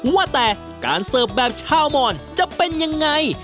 ว่าแต่การเสิร์ฟแบบชาวมอนจะเป็นยังไง